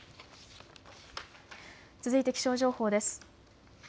続いて気象情報です。